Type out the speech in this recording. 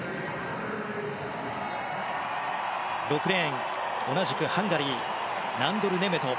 ６レーン、同じくハンガリーナンドル・ネメト。